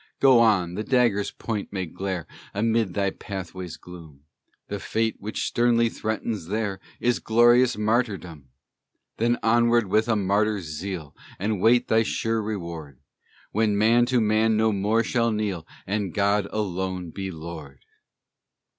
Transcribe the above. Go on, the dagger's point may glare Amid thy pathway's gloom; The fate which sternly threatens there Is glorious martyrdom! Then onward with a martyr's zeal; And wait thy sure reward When man to man no more shall kneel, And God alone be Lord!